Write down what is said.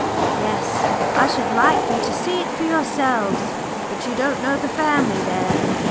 "Yes, I should like you to see it for yourselves. But you don't know the family there?"